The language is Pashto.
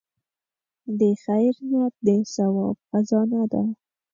د خیر نیت د ثواب خزانه ده.